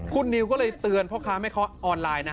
คุณนิวก็เลยเตือนพ่อค้าแม่ค้าออนไลน์นะ